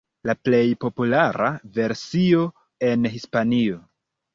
La plej populara versio en Hispanio.